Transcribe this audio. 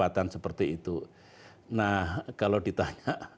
terima kasih pak